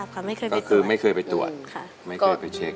ก็คือไม่เคยไปตรวจไม่เคยไปเช็ค